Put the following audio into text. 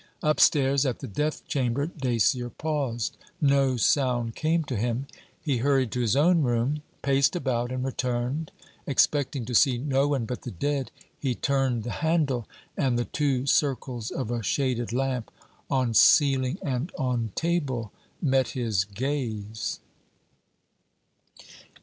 Upstairs, at the death chamber, Dacier paused. No sound came to him. He hurried to his own room, paced about, and returned. Expecting to see no one but the dead, he turned the handle, and the two circles of a shaded lamp, on ceiling and on table, met his gaze.